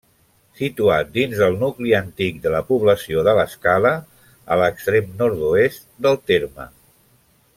Situat dins del nucli antic de la població de l'Escala, a l'extrem nord-oest del terme.